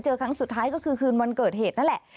ครั้งสุดท้ายก็คือคืนวันเกิดเหตุนั่นแหละ